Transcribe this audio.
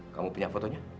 kamu punya fotonya